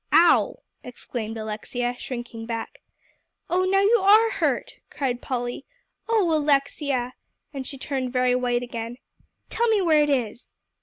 "Ow!" exclaimed Alexia, shrinking back. "Oh, now you are hurt," cried Polly. "Oh Alexia!" And she turned very white again. "Tell me where it is."